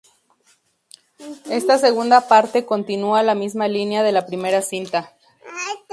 Esta segunda parte continúa la misma línea de la primera cinta.